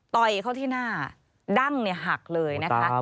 ต่อยเขาที่หน้าดั้งหักเลยนะคะ